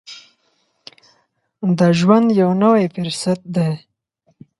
د ژوند یو نوی فرصت دی.